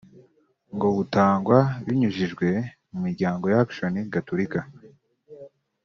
ngo butangwa binyujijwe mu miryango y’action Gatolika